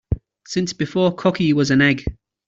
Since before cocky was an egg.